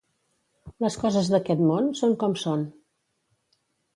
Les coses d'aquest món són com són.